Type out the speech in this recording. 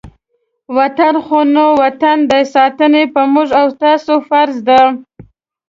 وطن خو نو وطن دی، ساتنه یې په موږ او تاسې فرض ده.